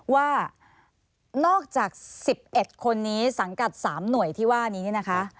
ว่านอกจาก๑๑คนนี้สังกัด๓หน่วยที่ว่านี้เนี่ยนะคะ